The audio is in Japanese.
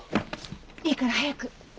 いいから早く。